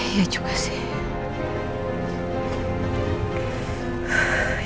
iya juga sih